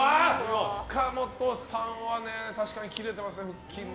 塚本さんは確かに腹筋切れてますね。